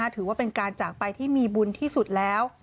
ถือว่าเป็นการจากไปที่มีบุญที่สุดแล้ว